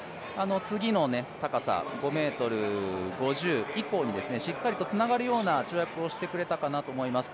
次の高さ、５ｍ５０以降にしっかりとつながるような跳躍をしてくれたかなと思います。